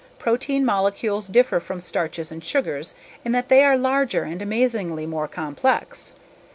Protein molecules differ from starches and sugars in that they are larger and amazingly more complex.